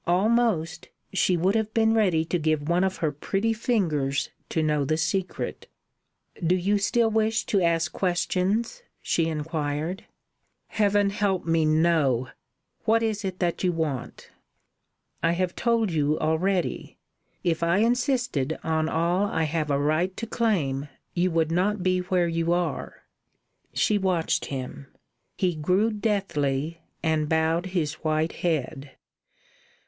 Almost, she would have been ready to give one of her pretty fingers to know the secret. "Do you still wish to ask questions?" she inquired. "Heaven help me, no! What is it that you want?" "I have told you already. If I insisted on all I have a right to claim, you would not be where you are." She watched him. He grew deathly and bowed his white head.